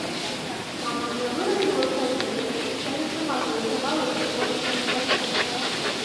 Мама мне выразала з газеты, а я сама зарысавала чырвоным карандашом.